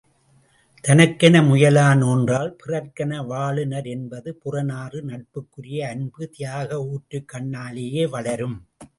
தனக்கென முயலா நோன்றாள் பிறர்க்கென வாழுநர் என்பது புறநானூறு, நட்புக்குரிய அன்பு, தியாக ஊற்றுக் கண்ணாலேயே வளரும்.